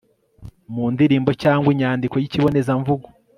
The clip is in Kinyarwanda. mu ndirimbo cyangwa inyandiko yikibonezamvugo